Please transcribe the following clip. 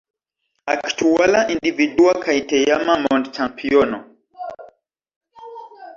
Aktuala individua kaj teama mondĉampiono.